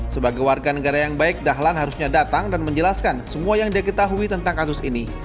sebagai warga negara yang baik dahlan harusnya datang dan menjelaskan semua yang diketahui tentang kasus ini